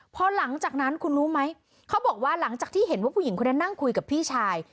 พอหลังจากนั้นคุณรู้ไหมเขาบอกว่าหลังจากที่เห็นว่าผู้หญิงคนนั้นนั่งคุยกับพี่ชาย